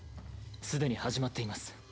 すでに始まっています。